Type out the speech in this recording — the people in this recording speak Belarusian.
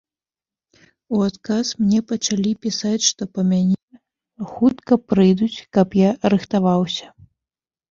У адказ мне пачалі пісаць, што па мяне хутка прыйдуць, каб я рыхтаваўся.